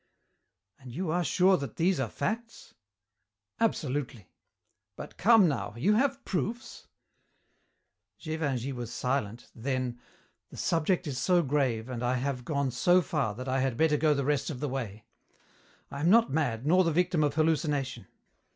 "And you are sure that these are facts?" "Absolutely." "But come now, you have proofs?" Gévingey was silent, then, "The subject is so grave and I have gone so far that I had better go the rest of the way. I am not mad nor the victim of hallucination.